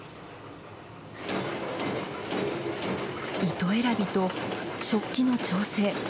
糸選びと織機の調整。